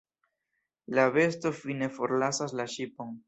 La besto fine forlasas la ŝipon.